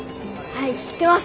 はい知ってます。